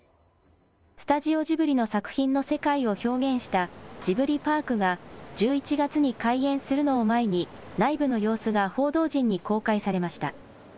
スタジオジブリの作品の世界を表現したジブリパークが１１月に開園するのを前に内部の様子が報道陣に公開されました。